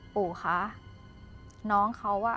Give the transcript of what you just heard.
ปู่ค่ะน้องเขา